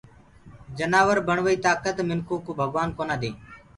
جنآور بڻوآئي تآڪَت منکو ڀگوآن ڪونآ دي